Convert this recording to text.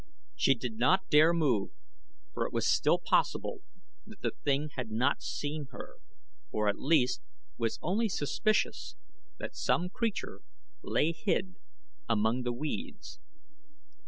She did not dare move, for it was still possible that the thing had not seen her, or at least was only suspicious that some creature lay hid among the weeds.